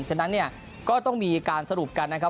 ฉะนั้นเนี่ยก็ต้องมีการสรุปกันนะครับ